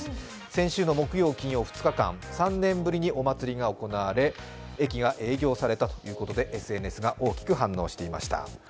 先週の木曜、金曜２日間３年ぶりにお祭りが行われ駅が営業されたということでＳＮＳが大きく反応していました。